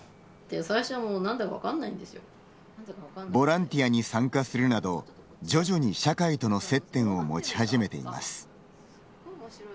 ボランティアに参加するなど徐々に社会との接点を持ち始めています。